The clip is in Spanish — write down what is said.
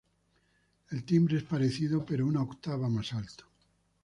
El timbre es parecido, pero una octava más alto.